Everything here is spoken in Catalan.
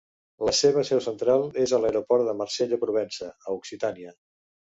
La seva seu central és a l'aeroport de Marsella-Provença, a Occitània.